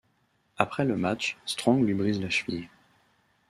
Après le match, Strong lui brise la cheville.